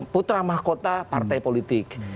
putra mahkota partai politik